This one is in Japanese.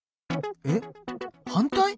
えっ反対！？